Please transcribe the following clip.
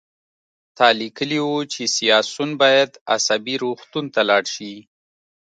تا لیکلي وو چې سیاسیون باید عصبي روغتون ته لاړ شي